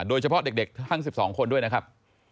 โดยเฉพาะเด็กทั้ง๑๒คนด้วยนะครับ